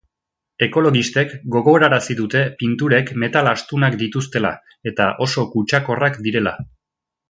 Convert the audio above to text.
Ekologistek gogorarazi dute pinturek metal astunak dituztela eta oso kutsakorrak direla.